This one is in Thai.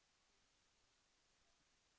แสวได้ไงของเราก็เชียนนักอยู่ค่ะเป็นผู้ร่วมงานที่ดีมาก